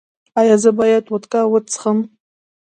ایا زه باید وودکا وڅښم؟